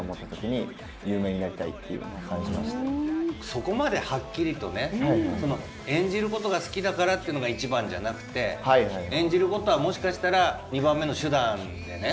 そこまではっきりとね演じることが好きだからっていうのが一番じゃなくて演じることはもしかしたら二番目の手段でね。